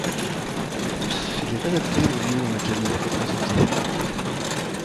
De plus, il est adapté au lieu dans lequel il est représenté.